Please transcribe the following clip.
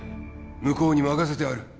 向こうに任せてある。